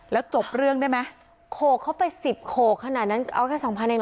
แล้วจบเรื่องได้ไหมโขกเข้าไปสิบโขกขนาดนั้นเอาแค่สองพันเองเหรอ